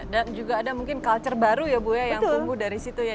dan juga ada mungkin culture baru ya bu ya yang tumbuh dari situ ya